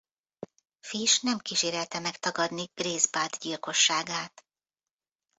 Fish nem kísérelte meg tagadni Grace Budd gyilkosságát.